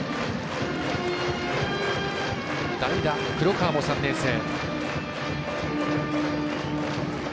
代打、黒川も３年生。